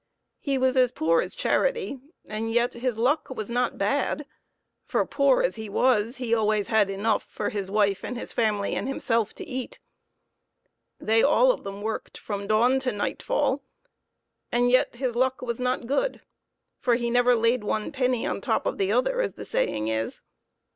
He was as poor as charity, and yet his luck was not bad, for, poor as he was, he always had enough for his wife and his family and himself to eat. They all of them worked from dawn to nightfall, and yet his luck was not good, for he never laid one penny on top of the other, as the saying is.